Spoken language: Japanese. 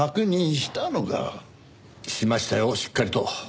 しましたよしっかりと。